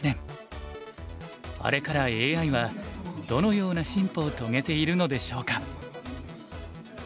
あれからＡＩはどのような進歩を遂げているのでしょうか？